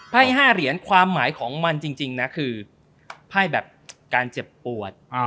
ไพ่๕เหรียญความหมายของมันจริงนะคือไพ่แบบการเจ็บปวด